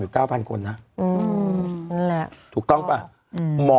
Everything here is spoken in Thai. ทำไมไม่ออกมาแจ้งความ